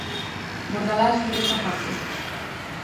Bordalás di que está farto.